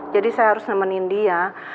jadi saya harus nemenin dia